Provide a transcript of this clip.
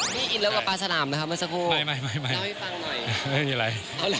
นี่อินแล้วกับปลาฉลามนะครับเมื่อสักครู่ไม่